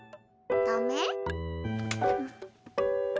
ダメ？